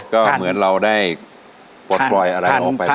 ก็เหมือนเราได้ปลดปล่อยอะไรออกไป